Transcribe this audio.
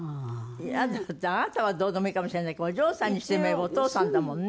「イヤだ」ってあなたはどうでもいいかもしれないけどお嬢さんにしてみればお父さんだもんね。